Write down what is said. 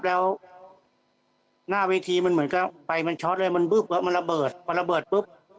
แล้วหน้าเวทีมันเหมือนกับไฟมันช็อตเลยมันบึ๊บแล้วมันระเบิดพอระเบิดปุ๊บ